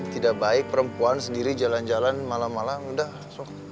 tidak baik perempuan sendiri jalan jalan malam malam udah sok